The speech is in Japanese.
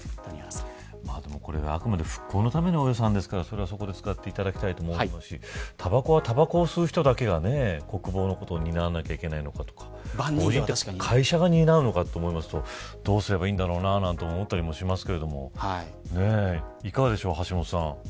これ、あくまで復興のための予算ですからそれはそこで使っていただきたいと思いますしたばこは、たばこを吸う人だけが国防のことを担わなきゃいけないのかとか法人というと、会社が担うのかと思うとどうすればいいんだろうななんて思ったりもしますけどもいかがでしょう、橋下さん。